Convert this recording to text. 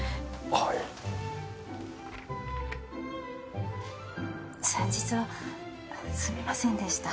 ああいえ先日はすみませんでした